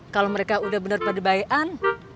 kalau mereka udah bener pada bayihan